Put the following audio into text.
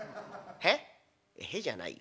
「『へっ？』じゃないよ。